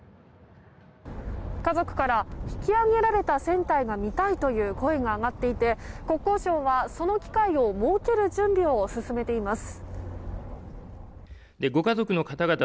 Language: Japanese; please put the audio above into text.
家族から引き揚げられた船体が見たいという声が上がっていて国交省はその機会を設ける準備を進めています。